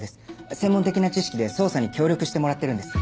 専門的な知識で捜査に協力してもらってるんです。